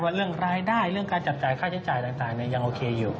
เรื่องรายได้เรื่องการจับจ่ายค่าใช้จ่ายต่างยังโอเคอยู่